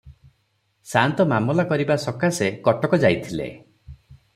ସାଆନ୍ତ ମାମଲା କରିବା ସକାଶେ କଟକ ଯାଇଥିଲେ ।